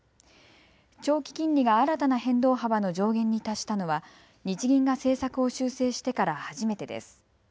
長期金利が新たな変動幅の上限に達したのは日銀が政策を修正してから初めてです。